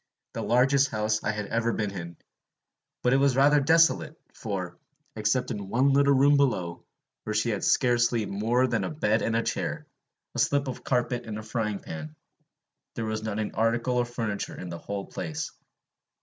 the largest house I had ever been in; but it was rather desolate, for, except in one little room below, where she had scarcely more than a bed and a chair, a slip of carpet and a frying pan, there was not an article of furniture in the whole place.